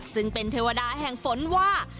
ซึ่งเป็นเทวดาแห่งฝนว่า